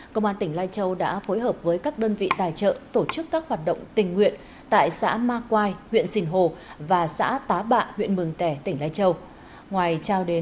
công an tỉnh lai châu đã phối hợp với các đơn vị tài trợ tổ chức các hoạt động tình nguyện tại xã ma quai huyện sìn hồ và xã tá bạ huyện mường tẻ tỉnh lai châu